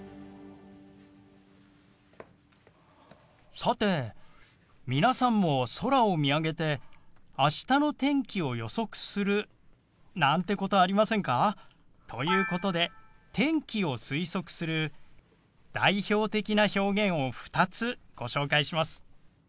さて皆さんも空を見上げて明日の天気を予測するなんてことありませんか？ということで天気を推測する代表的な表現を２つご紹介します。